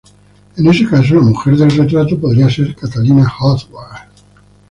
En ese caso la mujer del retrato podría ser Catalina Howard.